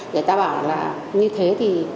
người ta bảo là như thế thì